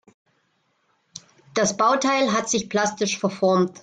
Das Bauteil hat sich plastisch verformt.